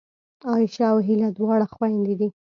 عایشه او هیله دواړه خوېندې دي